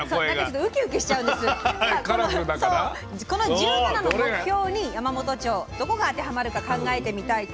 この１７の目標に山元町どこが当てはまるか考えてみたいと思います。